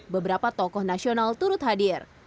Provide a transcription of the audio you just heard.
beberapa tokoh nasional turut hadir